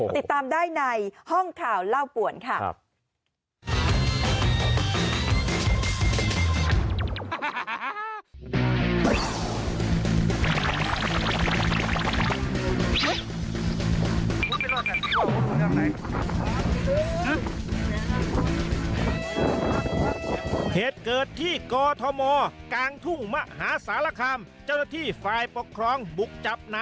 ติดตามได้ในห้องข่าวเล่าป่วนค่ะ